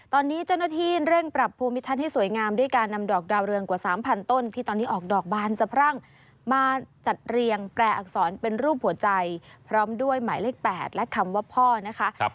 ตอนนี้เจ้าหน้าที่เร่งปรับภูมิทัศน์ให้สวยงามด้วยการนำดอกดาวเรืองกว่า๓๐๐ต้นที่ตอนนี้ออกดอกบานสะพรั่งมาจัดเรียงแปลอักษรเป็นรูปหัวใจพร้อมด้วยหมายเลข๘และคำว่าพ่อนะคะ